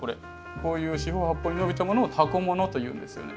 こういう四方八方に伸びたものをタコ物というんですよね。